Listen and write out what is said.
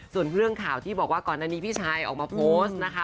ส่วนเรื่องข่าวที่บอกว่าก่อนอันนี้พี่ชายออกมาโพสต์นะคะ